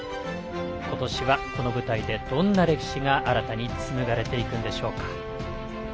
ことしは、この舞台でどんな歴史が新たにつむがれていくんでしょうか。